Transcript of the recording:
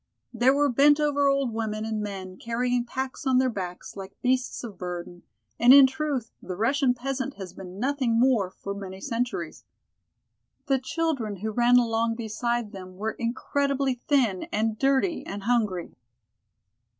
There were bent over old women and men carrying packs on their backs like beasts of burden, and in truth the Russian peasant has been nothing more for many centuries. The children, who ran along beside them, were incredibly thin and dirty and hungry.